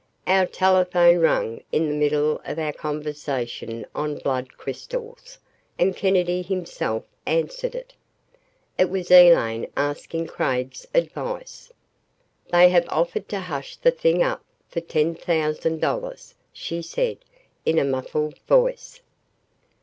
Our telephone rang in the middle of our conversation on blood crystals and Kennedy himself answered it. It was Elaine asking Craig's advice. "They have offered to hush the thing up for ten thousand dollars," she said, in a muffled voice.